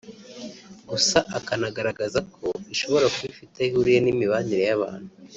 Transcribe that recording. gusa akanagaragaza ko ishobora kuba ifite aho ihuriye n’imibanire y’abantu